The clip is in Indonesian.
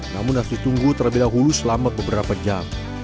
namun harus ditunggu terlebih dahulu selama beberapa jam